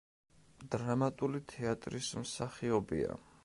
დრამატული თეატრის მსახიობია.